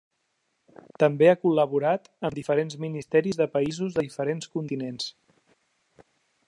També ha col·laborat amb diferents ministeris de països de diferents continents.